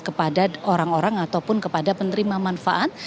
kepada orang orang ataupun kepada penerima manfaat